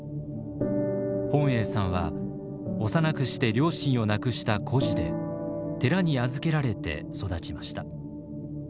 本英さんは幼くして両親を亡くした孤児で寺に預けられて育ちました。